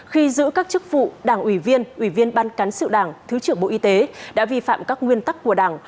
khi giữ các chức vụ đảng ủy viên ủy viên ban cán sự đảng thứ trưởng bộ y tế đã vi phạm các nguyên tắc của đảng